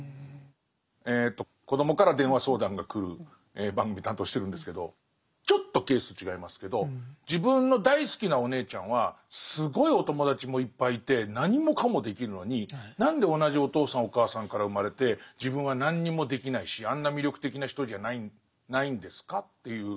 えと子どもから電話相談が来る番組担当してるんですけどちょっとケース違いますけど自分の大好きなお姉ちゃんはすごいお友達もいっぱいいて何もかもできるのに何で同じお父さんお母さんから生まれて自分は何にもできないしあんな魅力的な人じゃないんですか？という。